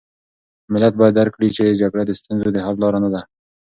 ملت باید درک کړي چې جګړه د ستونزو د حل لاره نه ده.